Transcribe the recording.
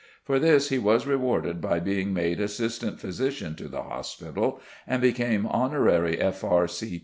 For this he was rewarded by being made assistant physician to the hospital, and became honorary F.R.